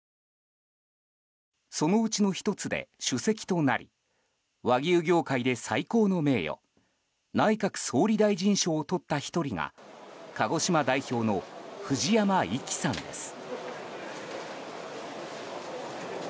そのうちの１つで首席となり和牛業界で最高の名誉内閣総理大臣賞をとった１人が鹿児島代表の藤山粋さんです。